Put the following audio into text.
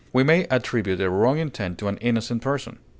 We may attribute a wrong intent to an innocent person.